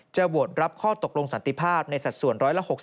โหวตรับข้อตกลงสันติภาพในสัดส่วน๑๖๐